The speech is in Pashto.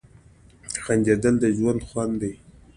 • خندېدل د ژوند حقیقي خوند دی.